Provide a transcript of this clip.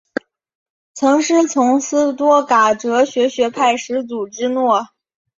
曾师从斯多噶哲学学派始祖芝诺。